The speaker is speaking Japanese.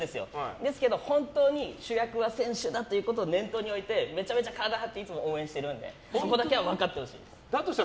ですけど本当に主役は選手だということを念頭に置いてめちゃめちゃ体を張っていつも応援しているのでだとしたら